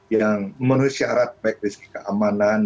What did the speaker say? yang menurut syarat baik dari segi keamanan